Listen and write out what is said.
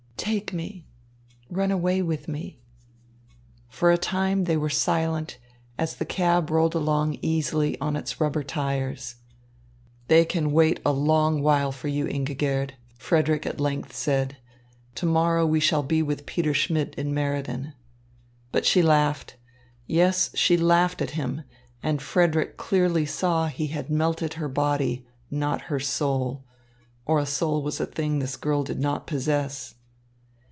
"Take me! Run away with me!" For a time they were silent as the cab rolled along easily on its rubber tires. "They can wait a long while for you, Ingigerd," Frederick at length said. "To morrow we shall be with Peter Schmidt in Meriden." But she laughed. Yes, she laughed at him, and Frederick clearly saw he had melted her body, not her soul; or a soul was a thing this girl did not possess.